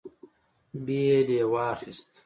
بېل يې واخيست.